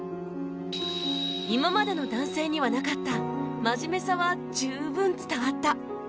今までの男性にはなかった真面目さは十分伝わった